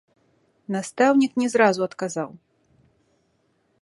Настаўнік не зразу адказаў.